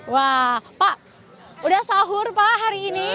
wah pak udah sahur pak hari ini